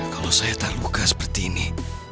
kalau saya tak luka seperti ini